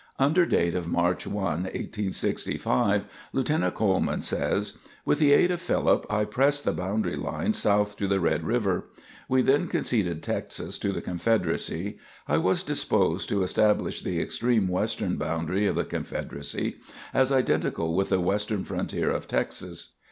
Under date of March 1, 1865, Lieutenant Coleman says: "With the aid of Philip, I pressed the boundary line south to the Red River. We all conceded Texas to the Confederacy. I was disposed to establish the extreme western boundary of the Confederacy as identical with the western frontier of Texas.